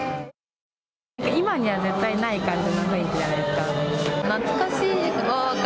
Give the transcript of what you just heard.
今には絶対ない感じの雰囲気じゃないですか。